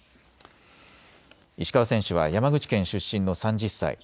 石川選手は山口県出身の３０歳。